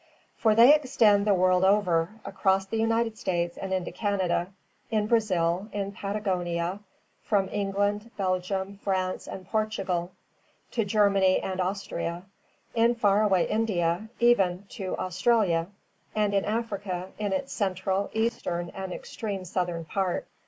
For they extend the world over, across the United States and into Canada; in Brazil, in Patagonia; from England, Belgium, France, and Portugal, to Germany and Austria; in far away India, even to Australia; and in Africa in its central, eastern, and extreme southern part.